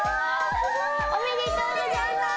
おめでとうございます。